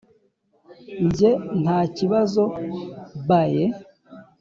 njye: ntakibazo bae!